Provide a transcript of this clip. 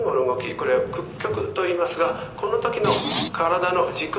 これを屈曲といいますがこの時の体の軸と腕の角度